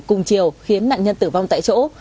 cùng chiều khiến nạn nhân tử vong tại chỗ